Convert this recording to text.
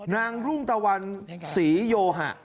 นางลุ่มตวรรษฏรศรีโยฮะ